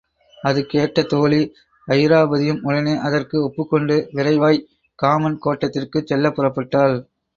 அது கேட்ட தோழி அயிராபதியும் உடனே அதற்கு ஒப்புக்கொண்டு விரைவாய்க் காமன் கோட்டத்திற்குச் செல்லப்புறப்பட்டாள்.